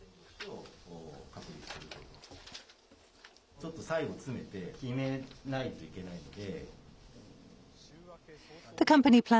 ちょっと最後に詰めて決めないといけないので。